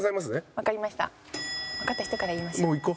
わかった人から言いましょう。